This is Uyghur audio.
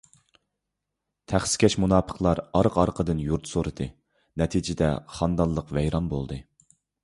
تەخسىكەش مۇناپىقلار ئارقا - ئارقىدىن يۇرت سورىدى. نەتىجىدە، خانىدانلىق خانىۋەيران بولدى.